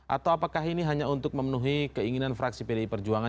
atau apakah ini hanya untuk memenuhi keinginan fraksi pdi perjuangan